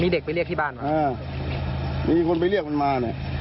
เด็กไปเรียกที่บ้านมาอ่ามีคนไปเรียกมันมาเนี่ย